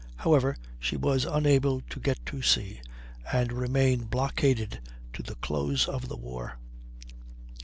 However, she was unable to get to sea, and remained blockaded to the close of the war.